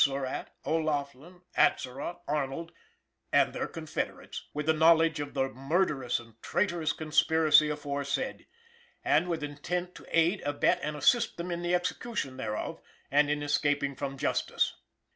Surratt, O'Laughlin, Atzerodt, Arnold and their confederates, "with the knowledge of the murderous and traitorous conspiracy aforesaid, and with intent to aid, abet and assist them in the execution thereof, and in escaping from justice."